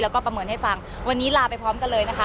แล้วก็ประเมินให้ฟังวันนี้ลาไปพร้อมกันเลยนะคะ